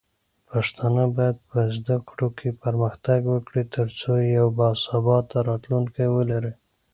پښتانه بايد په زده کړو کې پرمختګ وکړي، ترڅو یو باثباته راتلونکی ولري.